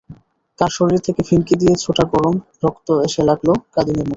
তাঁর শরীর থেকে ফিনকি দিয়ে ছোটা গরম রক্ত এসে লাগল কাদিমের মুখে।